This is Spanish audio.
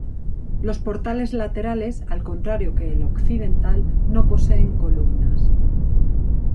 Los portales laterales, al contrario que el occidental, no poseen columnas.